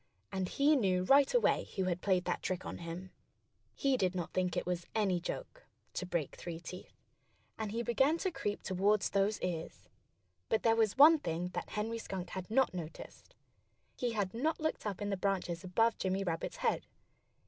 And he knew right away who had played that trick on him. He did not think it was any joke, to break three teeth. And he began to creep toward those ears. But there was one thing that Henry Skunk had not noticed. He had not looked up in the branches above Jimmy Rabbit's head.